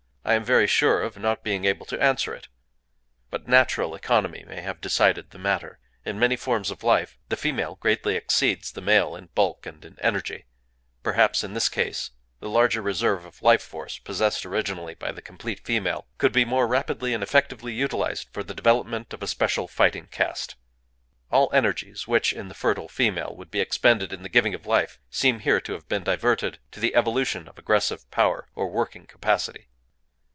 I am very sure of not being able to answer it. But natural economy may have decided the matter. In many forms of life, the female greatly exceeds the male in bulk and in energy;—perhaps, in this case, the larger reserve of life force possessed originally by the complete female could be more rapidly and effectively utilized for the development of a special fighting caste. All energies which, in the fertile female, would be expended in the giving of life seem here to have been diverted to the evolution of aggressive power, or working capacity.